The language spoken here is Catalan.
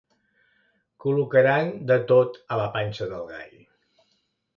Col·locaran de tot a la panxa del gall.